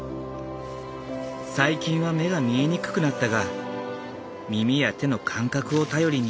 最近は目が見えにくくなったが耳や手の感覚を頼りに庭仕事。